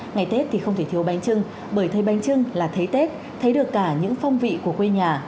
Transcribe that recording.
ngày tết thì không thể thiếu bánh trưng bởi thấy bánh trưng là thấy tết thấy được cả những phong vị của quê nhà